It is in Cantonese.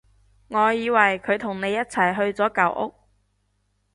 我以為佢同你一齊去咗舊屋